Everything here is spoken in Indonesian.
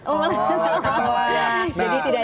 oh malah ketawa ya